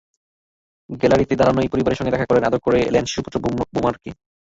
গ্যালারিতে দাঁড়ানো পরিবারের সঙ্গে দেখা করলেন, আদর করে এলেন শিশুপুত্র বুমারকে।